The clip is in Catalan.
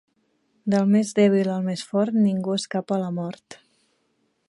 Del més dèbil al més fort, ningú escapa a la mort.